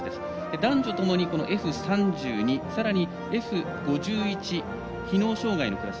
男女ともに３２そしてＦ５１機能障がいのクラス。